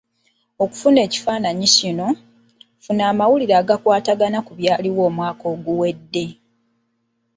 Okufuna ekifaananyi kino, funa amawulire agakwatagana ku byaliwo omwaka oguwedde.